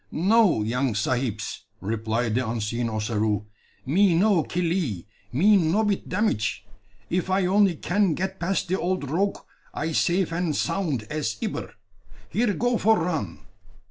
"No, young sahibs," replied the unseen Ossaroo; "me no killee, me no bit damage. If I only can get pass de old rogue, I safe and sound as ibber. Here go for run!"